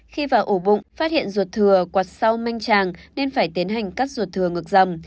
khi vào ổ bụng phát hiện ruột thừa quạt sau manh tràng nên phải tiến hành cắt ruột thừa ngược dầm